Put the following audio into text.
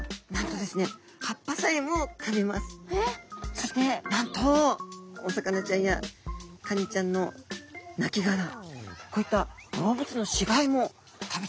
そしてなんとお魚ちゃんやカニちゃんのなきがらこういった動物の死骸も食べちゃうってことなんですね。